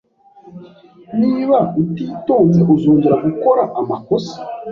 Niba utitonze, uzongera gukora amakosa.